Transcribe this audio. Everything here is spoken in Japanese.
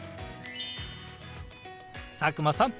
佐久間さん